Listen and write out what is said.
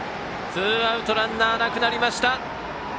ツーアウトランナーなくなりました。